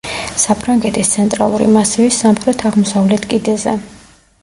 საფრანგეთის ცენტრალური მასივის სამხრეთ-აღმოსავლეთ კიდეზე.